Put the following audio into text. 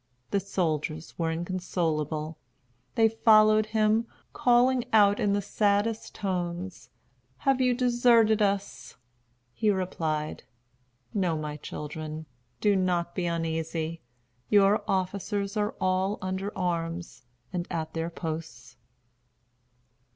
The soldiers were inconsolable. They followed him, calling out in the saddest tones, "Have you deserted us?" He replied: "No, my children. Do not be uneasy. Your officers are all under arms, and at their posts."